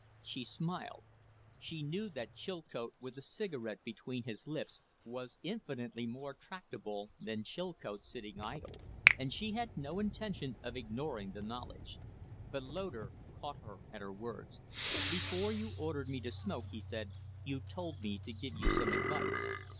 She smiled. She knew that Chilcote with a cigarette between his lips was infinitely more tractable than Chilcote sitting idle, and she had no intention of ignoring the knowledge. But Loder caught at her words. "Before you ordered me to smoke," he said, "you told me to give you some advice.